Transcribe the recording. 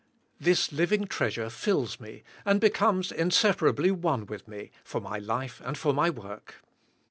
This living treasure fills me and becomes inseparably one with me; for my life and for my work.